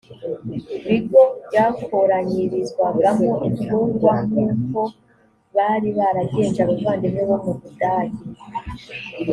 bigo byakoranyirizwagamo imfungwa nk uko bari baragenje abavandimwe bo mu budage